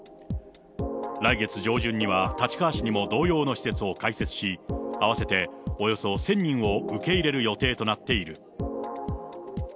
来月上旬には、立川市にも同様の施設を開設し、合わせておよそ１０００人を受け入れる予定となっている。